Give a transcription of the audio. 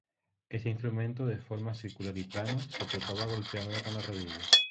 Este instrumento de forma circular y plano, se tocaba golpeándolo con la rodilla.